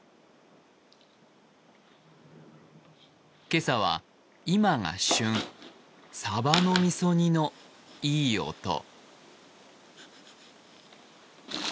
今朝は今が旬サバの味噌煮のいい音。